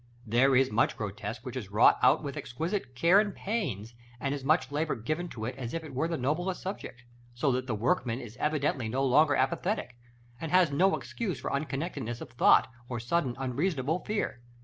There is much grotesque which is wrought out with exquisite care and pains, and as much labor given to it as if it were of the noblest subject; so that the workman is evidently no longer apathetic, and has no excuse for unconnectedness of thought, or sudden unreasonable fear.